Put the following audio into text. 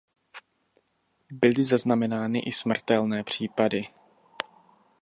Byly zaznamenány i smrtelné případy.